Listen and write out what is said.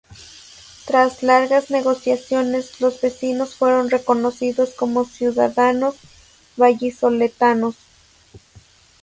Tras largas negociaciones, los vecinos fueron reconocidos como ciudadanos vallisoletanos.